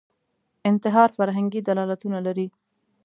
انتحار فرهنګي دلالتونه لري